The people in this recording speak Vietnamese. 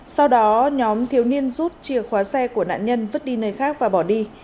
sau đó nhóm thiếu niên rút chìa khóa xe của nạn nhân vứt đi nơi khác và bỏ đi